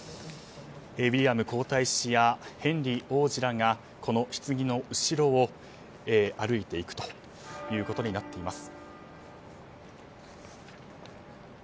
ウィリアム皇太子やヘンリー王子らがこのひつぎの後ろを歩いていくということになっています。